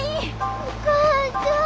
お母ちゃん。